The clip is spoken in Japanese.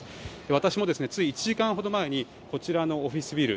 私も、つい１時間ほど前にこちらのオフィスビル